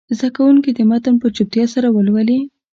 زده کوونکي دې متن په چوپتیا سره ولولي.